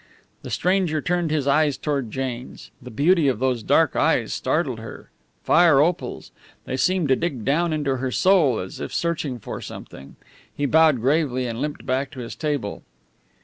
The stranger turned his eyes toward Jane's. The beauty of those dark eyes startled her. Fire opals! They seemed to dig down into her very soul, as if searching for something. He bowed gravely and limped back to his table.